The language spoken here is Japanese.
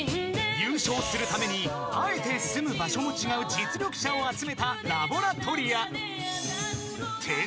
［優勝するためにあえて住む場所も違う実力者を集めたラボラトリア］